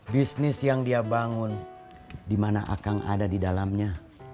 bisnis yang dia bangun dimana akang ada di dalamnya